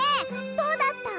どうだった？